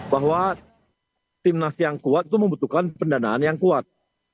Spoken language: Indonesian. bahwa timnas yang kuat itu membutuhkan pendanaan yang kuat